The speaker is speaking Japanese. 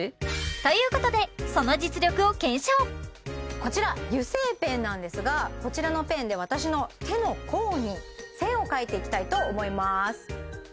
こちら油性ペンなんですがこちらのペンで私の手の甲に線をかいていきたいと思います